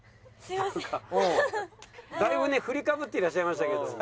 だいぶね振りかぶっていらっしゃいましたけれども。